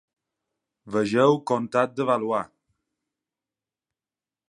Vegeu Comtat de Valois.